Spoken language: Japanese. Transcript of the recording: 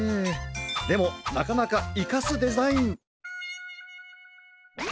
でもなかなかイカすデザイン。